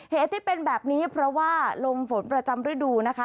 เหตุที่เป็นแบบนี้เพราะว่าลมฝนประจำฤดูนะคะ